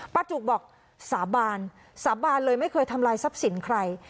จุกบอกสาบานสาบานเลยไม่เคยทำลายทรัพย์สินใคร